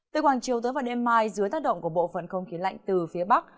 từ khoảng chiều tới vào đêm mai dưới tác động của bộ phận không khí lạnh từ phía bắc